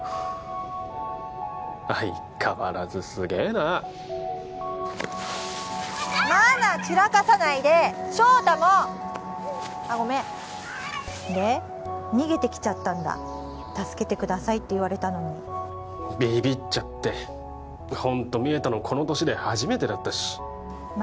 相変わらずすげえな真名ちらかさないで祥太もごめんで逃げてきちゃったんだ助けてくださいって言われたのにビビっちゃってホント見えたのこの年で初めてだったしま